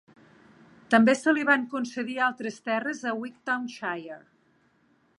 També se li van concedir altres terres a Wigtownshire.